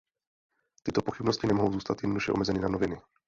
Tyto pochybnosti nemohou zůstat jednoduše omezeny na noviny.